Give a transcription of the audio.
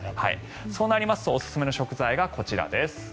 そうなりますとおすすめの食材がこちらです。